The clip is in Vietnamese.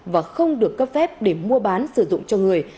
và không được cấp phép để mua bán sử dụng cho người